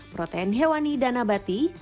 protein hewani dan abadi